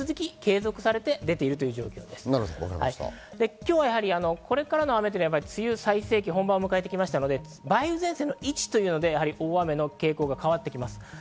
今日やはり、これからの雨というのは梅雨最盛期、本番を迎えてきましたので梅雨前線の位置というので大雨の傾向が変わってきます。